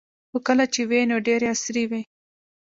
خو کله چې وې نو ډیرې عصري وې